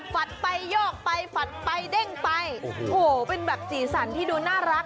ฝัดไปยอกไปฝัดไปเด้งไปโอ้โหเป็นแบบสีสันที่ดูน่ารัก